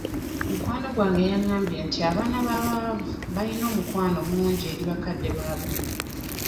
Mukwano gwange yangambye nti abaana b'abaavu bayina omukwano mungi eri bakadde baabwe.